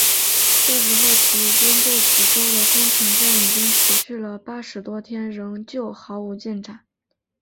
这时候起义军对梓州的攻城战已经持续了八十多天仍旧毫无进展。